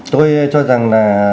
tôi cho rằng là